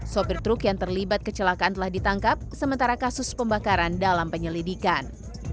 sopir truk yang terlibat kecelakaan telah ditangkap sementara kasus pembakaran dalam penyelidikan